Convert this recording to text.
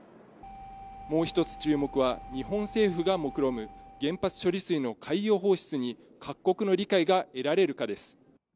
もう一つ注目は日本政府が目論む原発処理水の海洋放出に各国の理解が得られるかです。